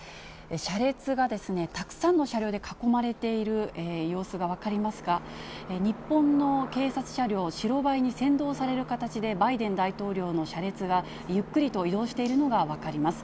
車列がたくさんの車両で囲まれている様子が分かりますが、日本の警察車両、白バイに先導される形で、バイデン大統領の車列が、ゆっくりと移動しているのが分かります。